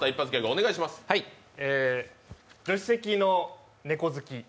助手席の猫好き。